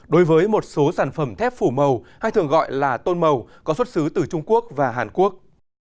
đối với một số sản phẩm thép phủ màu hay thường gọi là tôn màu có xuất xứ từ trung quốc và hàn quốc